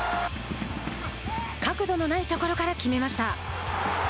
角度のないところから決めました。